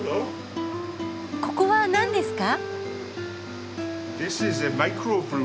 ここは何ですか？